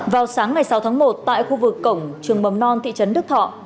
vào sáng ngày sáu tháng một tại khu vực cổng trường mầm non thị trấn đức thọ